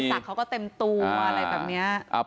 อาจจะลอยสักเขาก็เต็มตัวอะไรแบบเนี่ย